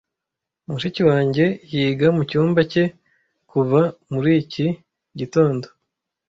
Mushiki wanjye yiga mucyumba cye kuva muri iki gitondo.